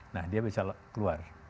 nah dia bisa keluar